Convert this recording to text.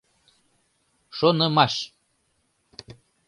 «Шонымаш»